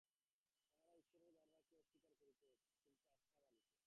তাহারা ঈশ্বরের ধারণাকে অস্বীকার করিত, কিন্তু আত্মা মানিত।